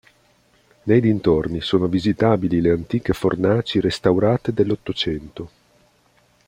Nei dintorni sono visitabili le antiche fornaci restaurate dell'Ottocento.